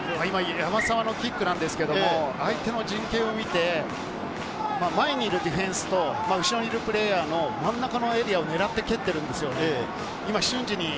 山沢のキックは相手の陣形を見て、前にいるディフェンスと、後ろにいるプレーヤーの真ん中を狙って蹴っているんです。